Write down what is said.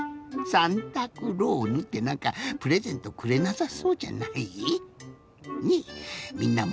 サンタクローヌってなんかプレゼントくれなさそうじゃない？